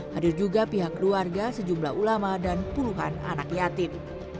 hadir juga pihak keluarga sejumlah ulama dan puluhan anak yatim